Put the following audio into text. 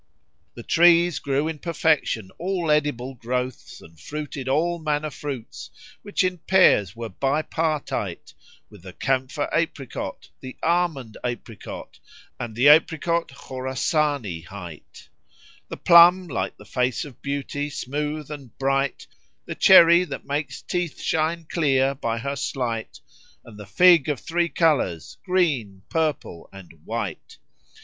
The trees grew in perfection all edible growths and fruited all manner fruits which in pairs were bipartite; with the camphor apricot, the almond apricot and the apricot "Khorasani" hight; the plum, like the face of beauty, smooth and bright; the cherry that makes teeth shine clear by her sleight, and the fig of three colours, green, purple and white.